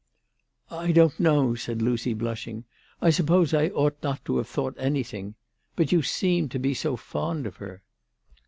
"I don't know/' said Lucy blushing. "I suppose I ought not to have thought anything. But you seemed to be so fond of her."